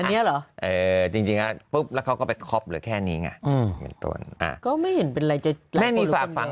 นี้หรอจริงอ่ะปุ๊บแล้วเขาก็ไปครอบเหลือแค่นี้ไงก็ไม่เห็นเป็นไรแม่มีฝากฝัง